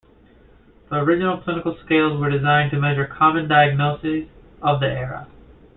The original clinical scales were designed to measure common diagnoses of the era.